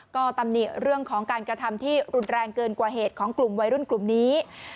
ก็ตำหนิเรื่องของการกระทำที่รุนแรงเกินกว่าเหตุของกลุ่มวัยรุ่นกลุ่มนี้